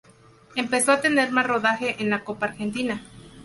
Empezó a tener más rodaje en la copa argentina.